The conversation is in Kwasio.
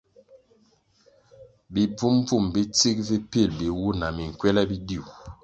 Bi bvum-bvum bi tsig vi pil biwuh na minkywele biduih.